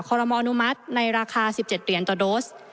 รมออนุมัติในราคา๑๗เหรียญต่อโดส